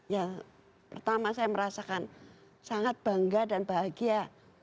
ya pertama saya merasakan sangat bangga dan bahagia